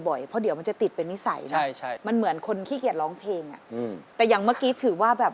เพราะเดี๋ยวมันจะติดเป็นนิสัยเนอะใช่ใช่มันเหมือนคนขี้เกียจร้องเพลงอ่ะอืมแต่อย่างเมื่อกี้ถือว่าแบบ